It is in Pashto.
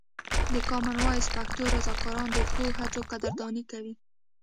د کامن وایس پښتو رضاکاران د ښو هڅو قدرداني کوي.